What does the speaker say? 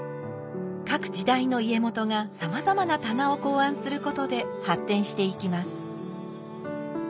各時代の家元がさまざまな棚を考案することで発展していきます。